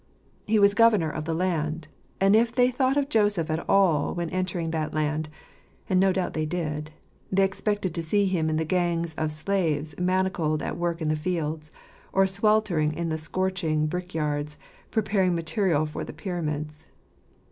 He was governor of the land, and if they had thought of Joseph at all when entering that land (and no doubt they did), they expected to see him in the gangs of slaves manacled at work in the fields, or sweltering in the scorching brick yards, preparing material for the pyramids.